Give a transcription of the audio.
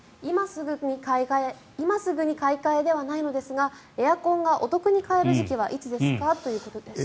今すぐに買い替えではないのですがエアコンがお得に買える時期はいつですか？ということです。